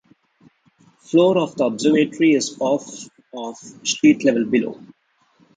The floor of the observatory is off of street-level below.